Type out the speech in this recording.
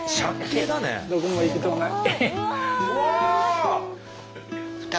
どこも行きとうない。